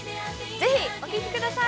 ぜひお聞きください。